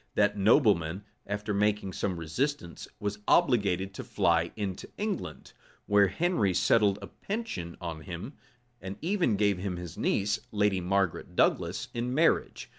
That nobleman, after making some resistance, was obliged to fly into England, where Henry settled a pension on him, and even gave him his niece, lady Margaret Douglas, in marriage.